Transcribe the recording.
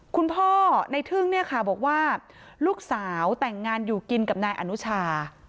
คุณพ่อในทึ่งเนี่ยค่ะบอกว่าลูกสาวแต่งงานอยู่กินกับนายอนุชา